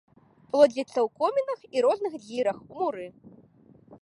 Плодзяцца ў комінах і розных дзірах у муры.